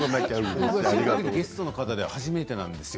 ゲストの方で初めてなんですよ